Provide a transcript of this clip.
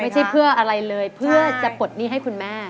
ช่วยเพื่ออะไรเลยเพื่อจะปลดหนี้ให้คุณแม่